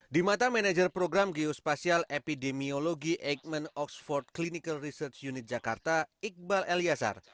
di mata manajer program geospasial epidemiologi aikman oxford clinical research unit jakarta iqbal elyasar